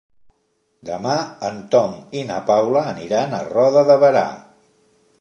Demà en Tom i na Paula aniran a Roda de Berà.